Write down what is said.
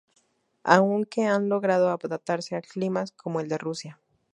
Aun que han logrado adaptarse a climas como el de Rusia.